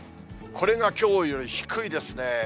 これがきょうより低いですね。